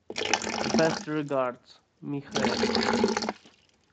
Best regards, Michael